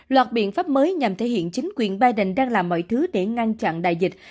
loạt biện pháp mới nhằm thể hiện chính quyền biden đang làm mọi thứ để ngăn chặn đại dịch